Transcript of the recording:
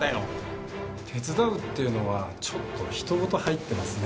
手伝うっていうのはちょっとひとごと入ってますね。